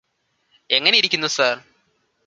എങ്ങെനെ ഇരിക്കുന്നു സർ